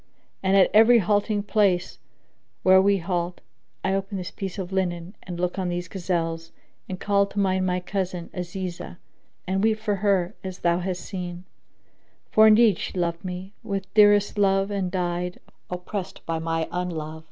and at every halting place where we halt, I open this piece of linen and look on these gazelles and call to mind my cousin Azizah and weep for her as thou hast seen; for indeed she loved me with dearest love and died, oppressed by my unlove.